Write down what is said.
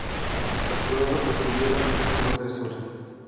Los jurados decidieron en sólo tres horas.